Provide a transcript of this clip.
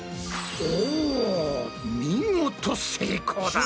お見事成功だ！